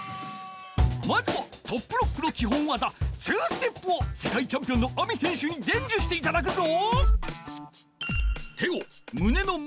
まずはトップロックのきほんわざ２ステップをせかいチャンピオンのＡＭＩ選手にでんじゅしていただくぞ！